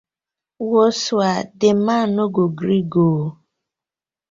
Wosai di man no go gree go ooo.